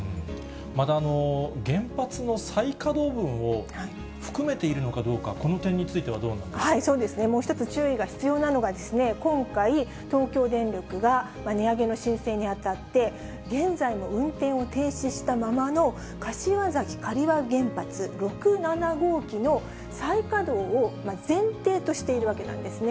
また原発の再稼働分を含めているのかどうか、この点についてそうですね、もう１つ注意が必要なのが、今回、東京電力が値上げの申請にあたって、現在も運転を停止したままの柏崎刈羽原発６、７号機の再稼働を前提としているわけなんですね。